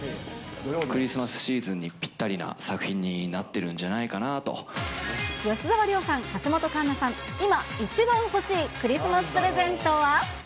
クリスマスシーズンにぴったりな作品になっているんじゃない吉沢亮さん、橋本環奈さん、今一番欲しいクリスマスプレゼントは。